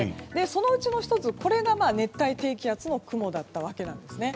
そのうちの１つが熱帯低気圧の雲だったわけです。